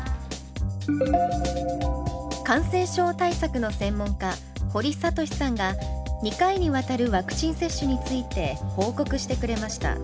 感染症対策の専門家堀賢さんが２回にわたるワクチン接種について報告してくれました。